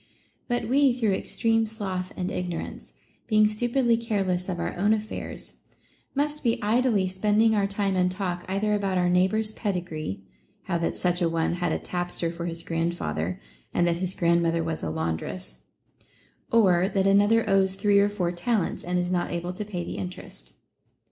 * But we through extreme sloth and ignorance, being stu pidly careless of our own affairs, must be idly spending our time and talk either about our neighbor's pedigree, how that such a one had a tapster for his grandfather, and that his grandmother was a laundress ; or that another owes three or four talents, and is not able to pay the interest.